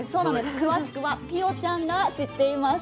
詳しくはピオちゃんが知っています。